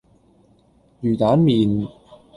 魚蛋麪